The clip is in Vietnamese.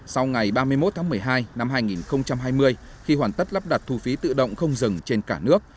sau ngày ba mươi một tháng một mươi hai năm hai nghìn hai mươi khi hoàn tất lắp đặt thu phí tự động không dừng trên cả nước